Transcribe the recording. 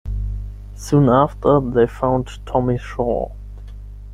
Soon after, they found Tommy Shaw.